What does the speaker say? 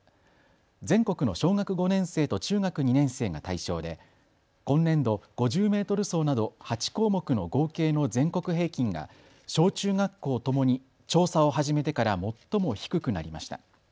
全国の小学５年生と中学２年生が対象で今年度、５０メートル走など８項目の合計の全国平均が小中学校ともに調査を始めてから最も低くなりました。